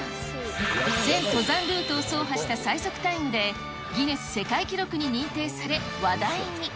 全登山ルートを走破した最速タイムで、ギネス世界記録に認定され、話題に。